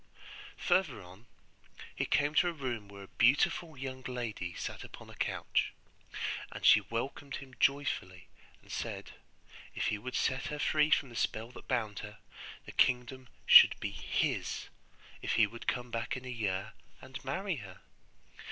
Further on he came to a room where a beautiful young lady sat upon a couch; and she welcomed him joyfully, and said, if he would set her free from the spell that bound her, the kingdom should be his, if he would come back in a year and marry her.